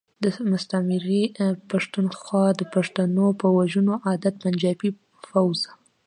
د مستعمرې پختونخوا د پښتنو په وژنو عادت پنجابی فوځ.